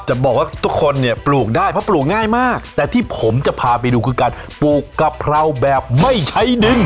จะบอกว่าทุกคนเนี่ยปลูกได้เพราะปลูกง่ายมากแต่ที่ผมจะพาไปดูคือการปลูกกะเพราแบบไม่ใช้ดึง